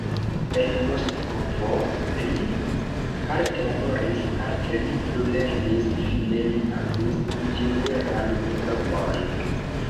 En Moskvo li parte laboris, parte li plulernis, fine li havis inĝenieran diplomon.